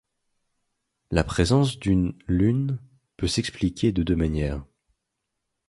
La présence d’une lune peut s’expliquer de deux manières.